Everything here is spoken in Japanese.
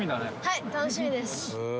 はい楽しみです！